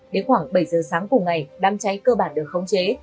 đến khoảng bảy giờ sáng cùng ngày đám cháy cơ bản được khống chế